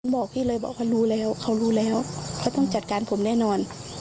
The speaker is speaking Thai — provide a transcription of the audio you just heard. บอกพี่เลยเขารู้แล้วเขาต้องจัดการผมแน่นอน